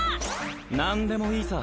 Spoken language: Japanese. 何でもいいさ